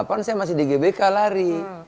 jam delapan saya masih di gbk lari